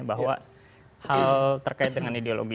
bahwa hal terkait dengan ideologi